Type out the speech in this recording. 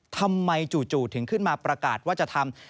จู่ถึงขึ้นมาประกาศว่าจะทำ